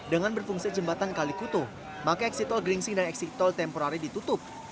dengan berfungsi jembatan kalikuto maka eksitol geringsing dan eksitol temporari ditutup